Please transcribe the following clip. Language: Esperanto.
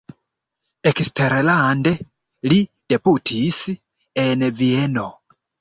Eksterlande li debutis en Vieno.